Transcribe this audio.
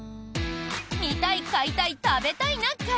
「見たい買いたい食べたいな会」。